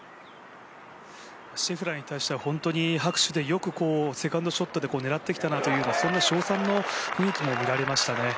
シェフラーに対しては拍手で、よくセカンドショットに狙ってきたなとそんな称賛の雰囲気も見られましたね。